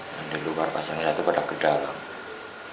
yang keluar pas yang satu pada ke dalam